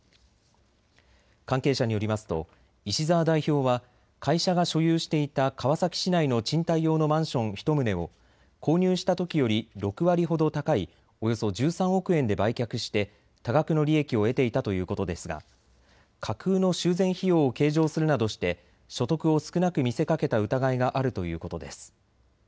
関係者によりますと石澤代表は会社が所有していた川崎市内の賃貸用のマンション１棟を購入したときより６割ほど高いおよそ１３億円で売却して多額の利益を得ていたということですが架空の修繕費用を計上するなどして所得を少なく見せかけた疑いがあるということです。